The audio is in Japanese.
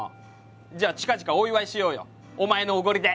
じゃあ近々お祝いしようよお前のおごりで！